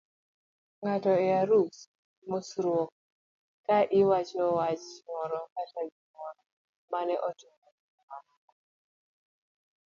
ng'ato e arus, mosruok, ka iwachoni wach moro kata gimoro mane otimore gimamoko